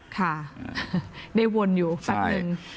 ค่ะได้วนอยู่แป๊บนึง